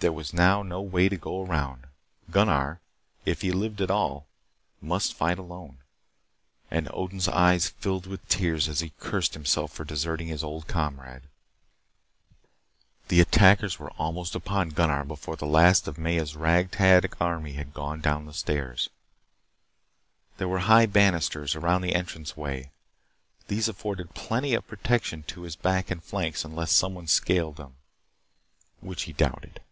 There was now no way to go around. Gunnar, if he lived at all, must fight alone. And Odin's eyes filled with tears as he cursed himself for deserting his old comrade. The attackers were almost upon Gunnar before the last of Maya's rag tag army had gone down the stairs. There were high bannisters around the entrance way. These afforded plenty of protection to his back and flanks unless someone scaled them, which he doubted.